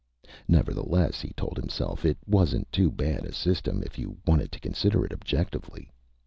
Nevertheless, he told himself, it wasn't too bad a system if you wanted to consider it objectively.